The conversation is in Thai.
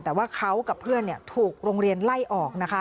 แต่ว่าเขากับเพื่อนถูกโรงเรียนไล่ออกนะคะ